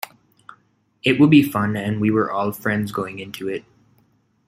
It would be fun and we were all friends going into it.